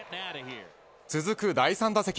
続く第３打席。